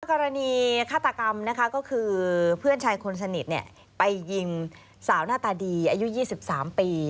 กรณีฆาตกรรมนะคะก็คือเพื่อนชายคนสนิทไปยิงสาวหน้าตาดีอายุ๒๓ปี